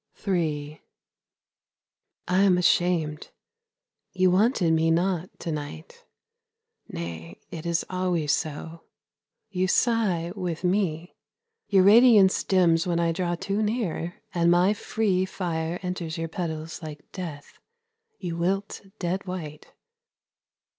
III I am ashamed, you wanted me not to night Nay, it is always so, you sigh with me. Your radiance dims when I draw too near, and my free Fire enters your petals like death, you wilt dead white.